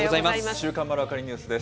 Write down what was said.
週刊まるわかりニュースです。